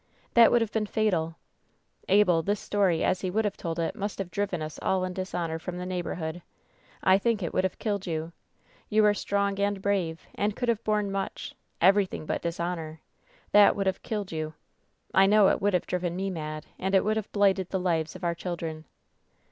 That would have been fatal! Abel, this story, as he would have told it, must have driven us all in dishonor from the neighborhood. I think it would have killed you. You are strong and brave, and could have borne much — everything but dishonor! That y K Vw WHEN SHADOWS DIE 881 would have killed you ! I know it would have driven me mad, and it would have blighted the lives of our children.